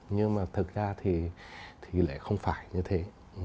nhưng mà thực ra thì lại không phải như thế